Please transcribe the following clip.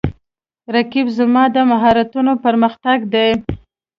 رقیب زما د مهارتونو پر مختګ دی